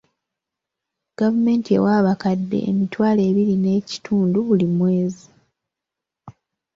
Gavumenti ewa abakadde emitwalo ebiri n'ekitundu buli mwezi.